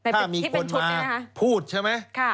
ถ้ามีคนมาพูดใช่ไหม